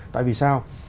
tại vì sao